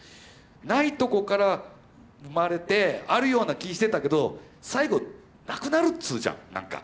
ないとこから生まれてあるような気してたけど最後なくなるっつうじゃんなんか。